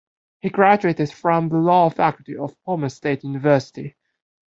He graduated from the Law Faculty of Pomor State University.